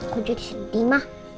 kok jadi sedih ma